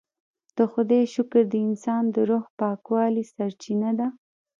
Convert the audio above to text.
د خدای شکر د انسان د روح پاکوالي سرچینه ده.